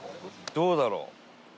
どうだろう？